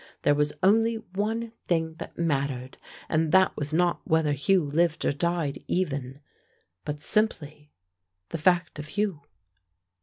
There was only one thing that mattered, and that was not whether Hugh lived or died even, but simply the fact of Hugh.